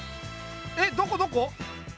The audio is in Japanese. えっどこどこ？